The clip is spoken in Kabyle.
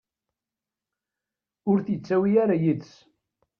Ur t-yettawi ara yid-s.